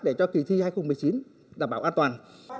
để cho kỳ thi hai nghìn một mươi chín đảm bảo an toàn